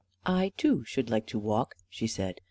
" I, too, should like to walk," she said.